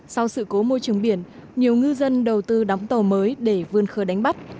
sau sự cố môi trường biển nhiều ngư dân đầu tư đóng tàu mới để vươn khơi đánh bắt